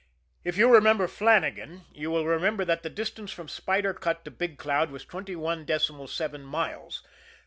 If you remember Flannagan, you will remember that the distance from Spider Cut to Big Cloud was twenty one decimal seven miles.